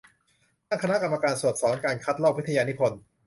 ตั้งคณะกรรมการสอบสวนการคัดลอกวิทยานิพนธ์